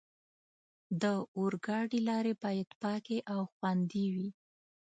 د اورګاډي لارې باید پاکې او خوندي وي.